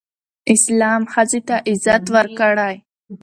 اسلام ښځې ته عزت ورکړی